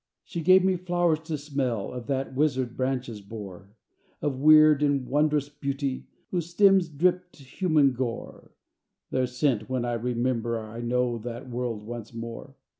She gave me flowers to smell of That wizard branches bore, Of weird and wondrous beauty, Whose stems dripped human gore Their scent when I remember I know that world once more.